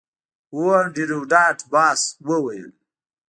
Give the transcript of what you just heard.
هو انډریو ډاټ باس وویل